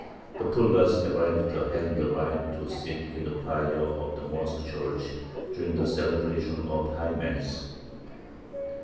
The Pulgars ever after held the right to sit in the choir of the mosque church during the celebration of High Mass.